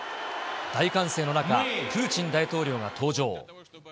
大歓声の中、プーチン大統領が登場。